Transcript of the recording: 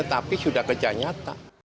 tapi sudah kerja nyata